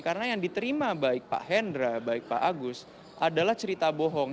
karena yang diterima baik pak hendra baik pak agus adalah cerita bohong